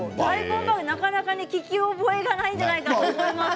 なかなか聞き覚えがないかと思います。